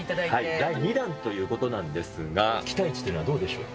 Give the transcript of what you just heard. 第２弾ということなんですが、期待値っていうのはどうでしょうか。